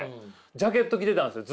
ジャケット着てたんすよ